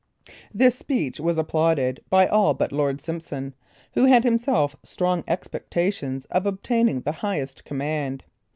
This speech was applauded by all but Lord Simpson, who had himself strong expectations of obtaining the highest command.